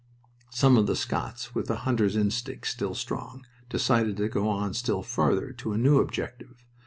Some of the Scots, with the hunter's instinct still strong, decided to go on still farther to a new objective.